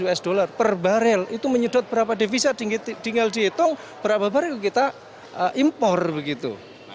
lima belas usd per barel itu menyedot berapa defisit tinggal dihitung berapa barel kita impor begitu